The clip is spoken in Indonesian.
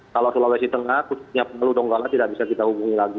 kalau sulawesi tengah khususnya palu donggala tidak bisa kita hubungi lagi